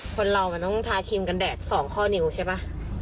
คนเรามันต้องทาครีมกันแดด๒ข้อนิ้วใช่ป่ะ